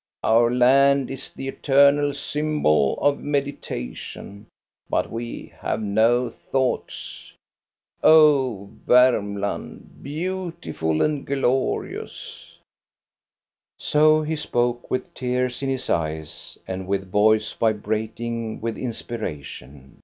Our land is the eternal symbol of meditation, but we have no thoughts. " Oh, Varmland, beautiful and glorious !" r So he spoke, with tears in his eyes, and with voice 328 THE STORY OF GOSTA BERLING vibrating with inspiration.